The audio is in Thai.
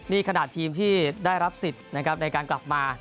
นี่ขณะทีมที่ได้รับสิทธิ์ในการกลับมา